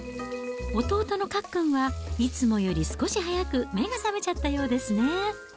弟のかっくんはいつもより少し早く目が覚めちゃったようですね。